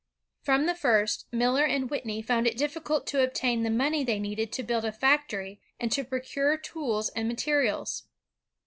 From the iirst, Miller and Whitney found it difficult to obtain the money they needed to build a factory and to procure tools and materials.